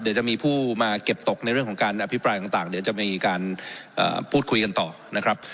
เดี๋ยวจะมีผู้มาเก็บตกในเรื่องของการอภิปรายต่างเดี๋ยวจะมีการพูดคุยกันต่อนะครับ